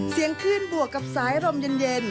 เสียงคื่นบวกกับสายอบร้อนเย็น